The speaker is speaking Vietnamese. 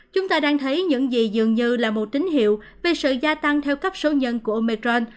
chúng ta đang thấy những gì dường như là một tín hiệu về sự gia tăng theo cấp số nhân của omecron